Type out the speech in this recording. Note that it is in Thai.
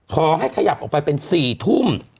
ขยับออกไปเป็น๔ทุ่ม